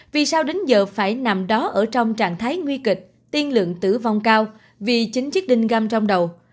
vì sao đến giờ phải nằm đó ở trong trạng thái nguy kịch tiên lượng tử vong cao vì chín chiếc đinh găm trong đầu